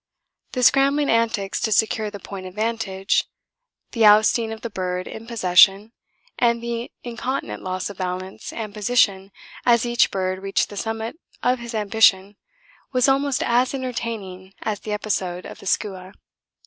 The scrambling antics to secure the point of vantage, the ousting of the bird in possession, and the incontinent loss of balance and position as each bird reached the summit of his ambition was almost as entertaining as the episode of the skua.